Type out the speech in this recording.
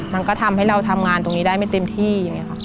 มันก็ทำให้เราทำงานตรงนี้ได้ไม่เต็มที่